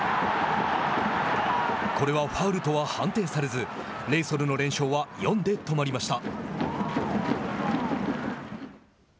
これはファウルとは判定されずレイソルの連勝は４で止まりました。